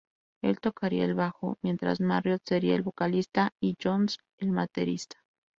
Él tocaría el bajo, mientras Marriott sería el vocalista y Jones el baterista.